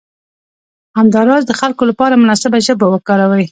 همداراز د خلکو لپاره مناسبه ژبه وکاروئ.